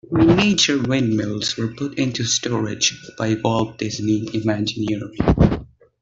The miniature windmills were put into storage by Walt Disney Imagineering.